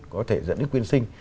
có thể dẫn đến quyên sinh